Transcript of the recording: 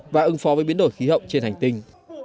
và ứng phó với biến đổi khí hậu trên hành tinh